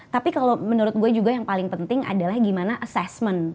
tapi kalau menurut gue juga yang paling penting adalah gimana assessment